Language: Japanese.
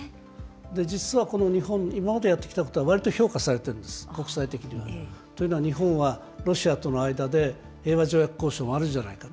実はこの日本、今までやってきたことは、わりと評価されてるんです、国際的には。というのは日本は、ロシアとの間で、平和条約交渉もあるじゃないかと。